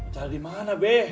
cari dimana be